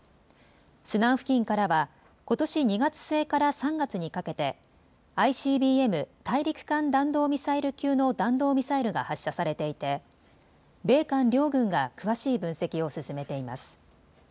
スナン付近からはことし２月末から３月にかけてＩＣＢＭ・大陸間弾道ミサイル級の弾道ミサイルが発射されていて米韓両軍が詳しい分析を進めています。